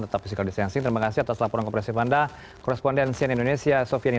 tetap fisikal distancing terima kasih atas laporan kompresif kami